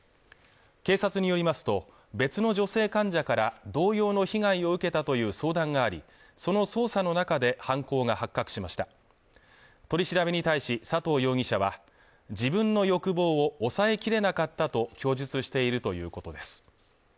警察によりますと別の女性患者から同様の被害を受けたという相談がありその捜査の中で犯行が発覚しました取り調べに対し佐藤容疑者は自分の欲望を抑えきれなかったと供述しているということです